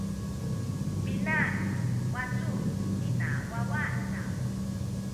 Pina ku wacu nina wawa saw?